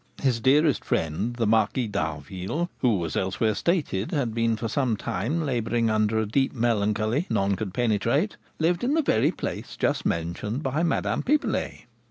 His dearest friend, the Marquis d'Harville, who, as elsewhere stated, had been for some time labouring under a deep melancholy none could penetrate, lived in the very place just mentioned by Madame Pipelet.